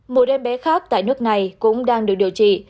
một em bé khác tại nước này cũng đang được điều trị